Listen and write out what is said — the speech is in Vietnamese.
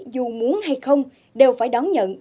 dù muốn hay không đều phải đón nhận